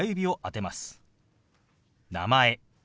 「名前」。